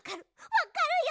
わかるよ